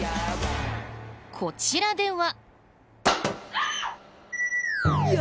こちらでは。